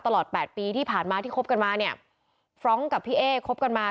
ตลอดแปดปีที่ผ่านมาที่คบกันมาเนี่ยฟรองก์กับพี่เอ๊คบกันมา